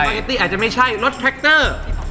อันไหนที่อาจจะไม่ใช่รถแทรคเตอร์